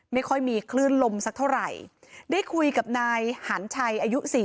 ไม่ค่อยมีคลื่นลมสักเท่าไหร่ได้คุยกับนายหันชัยอายุ๔๐